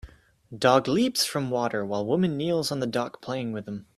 Dog leaps from water while woman kneels on the dock playing with him